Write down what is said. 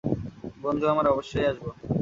বন্ধু আমার, অবশ্যই আসব।